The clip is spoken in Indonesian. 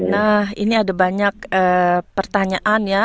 nah ini ada banyak pertanyaan ya